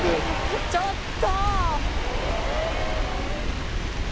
「ちょっと！」